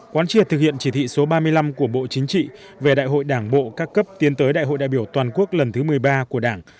quán triệt thực hiện chỉ thị số ba mươi năm của bộ chính trị về đại hội đảng bộ các cấp tiến tới đại hội đại biểu toàn quốc lần thứ một mươi ba của đảng